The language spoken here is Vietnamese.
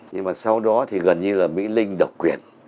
nhưng mà sau đó thì gần như là mỹ linh độc quyền